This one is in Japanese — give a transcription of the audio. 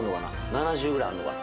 ７０ぐらいあんのかな？